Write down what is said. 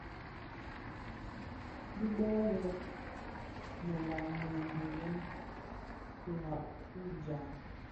Dhi bō lè më lami wuèle firab fi djaň.